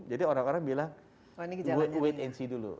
jadi orang orang bilang wait and see dulu